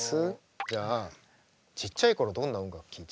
じゃあちっちゃい頃どんな音楽聴いてたの？